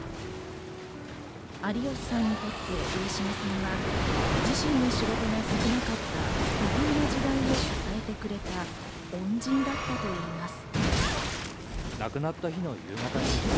有吉さんにとって上島さんは自身の仕事が少なかった不遇の時代を支えてくれた、恩人だったといいます。